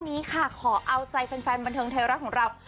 วันนี้ค่ะขอเอาใจแฟนบันเทิงไทยรัฐของเรา